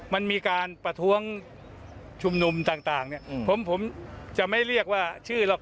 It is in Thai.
มันมีการประท้วงชุมนุมต่างเนี่ยผมจะไม่เรียกว่าชื่อหรอก